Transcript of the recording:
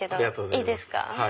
いいですか？